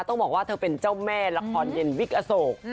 ต้องบอกว่าเธอเป็นเจ้าแม่ละครเย็นวิกอโศก